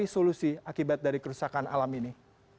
dan juga untuk mencari solusi akibat dari kerusakan alam ini